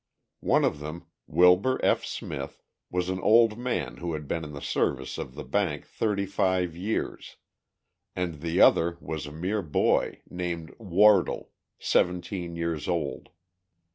One of them, Wilbur F. Smith, was an old man who had been in the service of the bank thirty five years, and the other was a mere boy, named Wardle, seventeen years old.